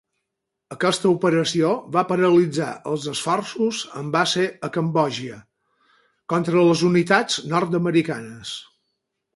Aquesta operació va paralitzar els esforços amb base a Cambodja contra les unitats nord-americanes.